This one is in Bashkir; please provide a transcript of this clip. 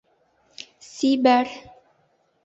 Сибәр.